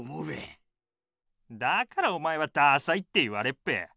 だからおまえはダサいって言われっぺ。